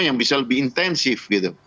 yang bisa lebih intensif